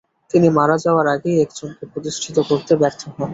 তিনি মারা যাওয়ার আগেই একজনকে প্রতিষ্ঠিত করতে ব্যর্থ হন।